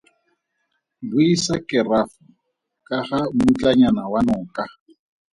Buisa kerafo ka ga mmutlanyana wa noka.